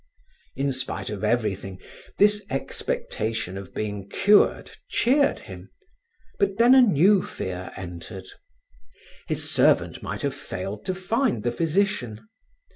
In spite of everything, this expectation of being cured cheered him, but then a new fear entered. His servant might have failed to find the physician.